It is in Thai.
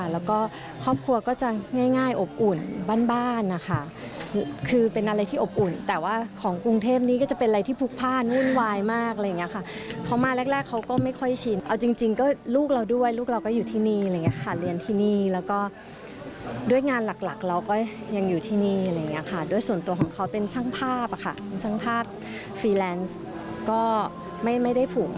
แล้วก็ครอบครัวก็จะง่ายอบอุ่นบ้านค่ะคือเป็นอะไรที่อบอุ่นแต่ว่าของกรุงเทพนี้ก็จะเป็นอะไรที่ผูกผ้านวุ่นวายมากเขามาแรกเขาก็ไม่ค่อยชินเอาจริงก็ลูกเราด้วยลูกเราก็อยู่ที่นี่เรียนที่นี่แล้วก็ด้วยงานหลักเราก็ยังอยู่ที่นี่ด้วยส่วนตัวของเขาเป็นช่างภาพช่างภาพฟรีแลนซ์ก็ไม่ได้ผูกม